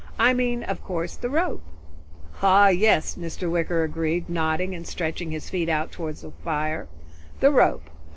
I mean, of course, the rope." "Ah yes," Mr. Wicker agreed, nodding and stretching his feet out toward the fire, "the rope.